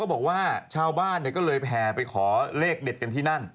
บอกว่าชาวบ้านก็เลยแผ่ไปขอเลขเด็ดกันที่นั่น